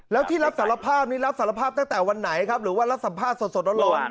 แล้วที่รับสารภาพนี้รับสารภาพตั้งแต่วันไหนครับหรือว่ารับสัมภาษณ์สดร้อน